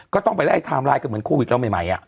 ก็ต้องไปไล่ไทม์ไลน์กันเหมือนโควิดเราใหม่